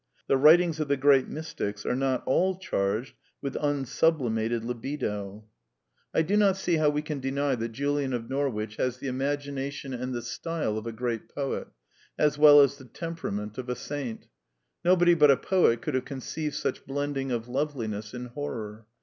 The writings of the great mystics are not ail charged with " unsublimated libido." 286 A DEFENCE OF IDEALISM I do not see how we can deny that JuKan of Norwidi has the imagination and the style of a great poet, as well as the temperament of a saint. Nobody bnt a poet could have conceived such blending of loveliness in horror.